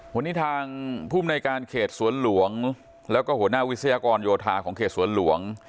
วันนี้ทางภูมิในการเขตสวนหลวงแล้วก็หัวหน้าวิทยากรโยธาของเขตสวนหลวง